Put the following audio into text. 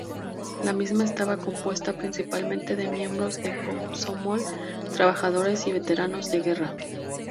La misma estaba compuesta principalmente de miembros del Komsomol, trabajadores y veteranos de guerra.